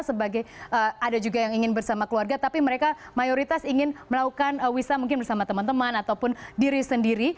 sebagai ada juga yang ingin bersama keluarga tapi mereka mayoritas ingin melakukan wisata mungkin bersama teman teman ataupun diri sendiri